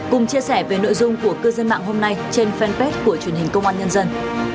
cùng chia sẻ về nội dung của cư dân mạng hôm nay trên fanpage của truyền hình công an nhân dân